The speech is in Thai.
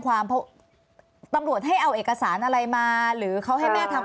ความเพราะตำรวจให้เอาเอกสารอะไรมาหรือเขาให้แม่ทำ